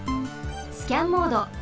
スキャンモード。